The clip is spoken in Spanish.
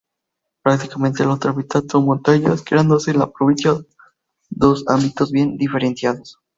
Prácticamente la otra mitad son montañas, creándose en la provincia dos ámbitos bien diferenciados.